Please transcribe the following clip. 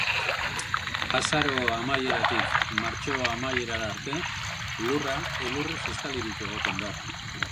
Azaro amaieratik martxo amaiera arte, lurra elurrez estalirik egoten da.